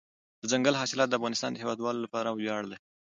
دځنګل حاصلات د افغانستان د هیوادوالو لپاره ویاړ دی.